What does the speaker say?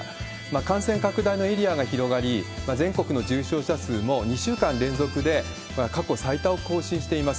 感染拡大のエリアが広がり、全国の重症者数も、２週間連続で過去最多を更新しています。